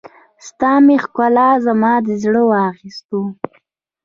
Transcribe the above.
ستا مې ښکلا، زما دې زړه واخيستو